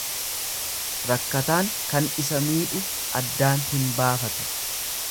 Rakkataan kan isa miidhu addaan hin baafatu.